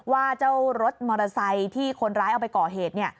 ว่าเจ้ารถมอเตอร์ไซค์ที่คนร้ายเอาไปก่อเหตุ